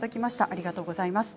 ありがとうございます。